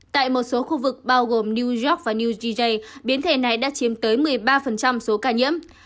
tại một số khu vực bao gồm new york và new ze biến thể này đã chiếm tới một mươi ba số ca nhiễm